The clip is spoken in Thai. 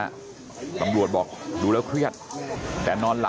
ลูกสาวหลายครั้งแล้วว่าไม่ได้คุยกับแจ๊บเลยลองฟังนะคะ